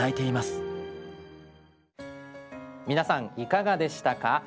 皆さんいかがでしたか？